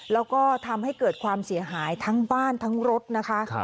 แล้วก็ทำให้เกิดความเสียหายทั้งบ้านทั้งรถนะคะ